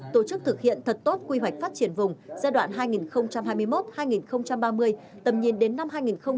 tổ chức thực hiện thật tốt quy hoạch phát triển vùng giai đoạn hai nghìn hai mươi một hai nghìn ba mươi tầm nhìn đến năm hai nghìn năm mươi